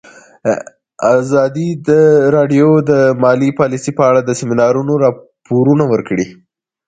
ازادي راډیو د مالي پالیسي په اړه د سیمینارونو راپورونه ورکړي.